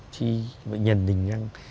thì nhận định rằng